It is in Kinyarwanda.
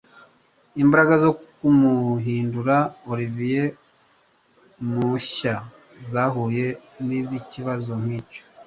Imbaraga zo kumuhindura Olivier mushya zahuye nikibazo nkicyo